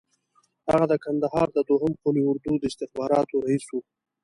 هغه د کندهار د دوهم قول اردو د استخباراتو رییس وو.